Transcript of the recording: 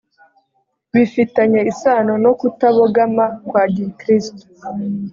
bifitanye isano no kutabogama kwa gikristo